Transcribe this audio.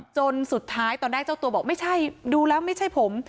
จนสุดท้ายตอนแรกเจ้าตัวบอกไม่ใช่ดูแล้วไม่ใช่ผม